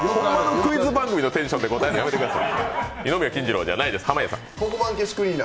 クイズ番組のテンションで答えるのはやめてください。